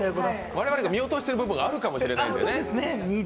我々が見落としてくる部分があるかもしれませんからね。